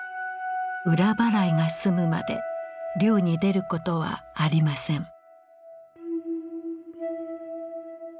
浦祓いが済むまで漁に出ることはありません。